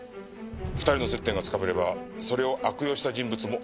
２人の接点がつかめればそれを悪用した人物も絞れるはずだ。